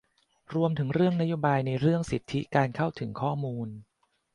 รวมถึงเรื่องนโยบายในเรื่องสิทธิการเข้าถึงข้อมูล